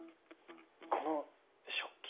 この食器。